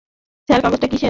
Sir কাগজটা কিসের?